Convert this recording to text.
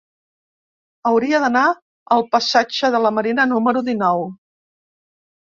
Hauria d'anar al passatge de la Marina número dinou.